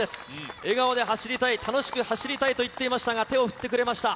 笑顔で走りたい、楽しく走りたいと言っていましたが、手を振ってくれました。